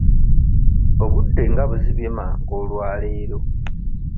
Obudde nga buzibye mangu olwaleero?